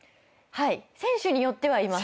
はい選手によってはいます。